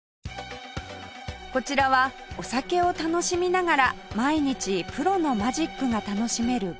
こちらはお酒を楽しみながら毎日プロのマジックが楽しめるバー